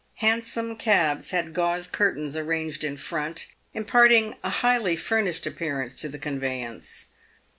Hansom cabs had gauze curtains arranged in front, imparting a highly furnished appearance to the conveyance.